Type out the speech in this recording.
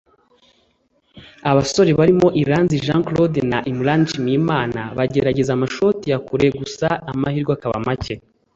abasore barimo Iranzi Jean Claude na Imran Nshimiyimana bagerageza amashoti ya kure gusa amahirwe akaba make